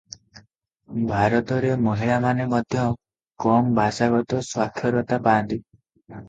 ଭାରତରେ ମହିଳାମାନେ ମଧ୍ୟ କମ ଭାଷାଗତ ସାକ୍ଷରତା ପାଆନ୍ତି ।